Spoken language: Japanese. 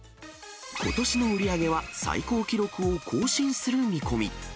ことしの売り上げは最高記録を更新する見込み。